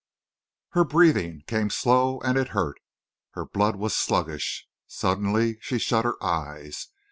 Her breathing came slow and it hurt. Her blood was sluggish. Suddenly she shut her eyes.